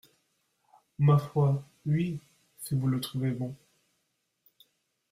Ma foi, oui, si vous le trouvez bon.